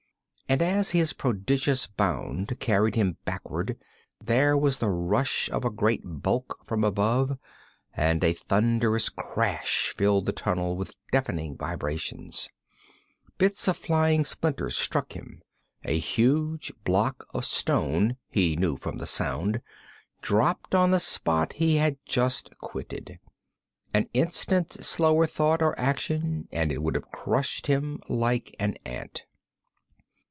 And as his prodigious bound carried him backward, there was the rush of a great bulk from above, and a thunderous crash filled the tunnel with deafening vibrations. Bits of flying splinters struck him a huge block of stone, he knew from the sound, dropped on the spot he had just quitted. An instant's slower thought or action and it would have crushed him like an ant.